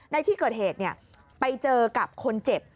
ในที่เกิดเหตุไปเจอกับคนเจ็บ